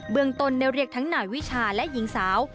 เบื้องตนเดียวเรียกทั้งหน่ายวิชาและหญิงสาว